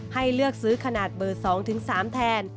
ให้เลือกซื้อขนาดเบอร์๒ถึง๓แทน